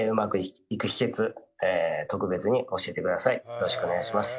よろしくお願いします。